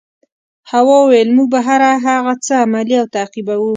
هوا وویل موږ به هر هغه څه عملي او تعقیبوو.